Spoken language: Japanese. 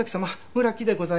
村木でございます。